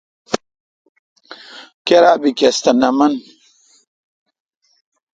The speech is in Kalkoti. کیراب بی کس تھ نہ من۔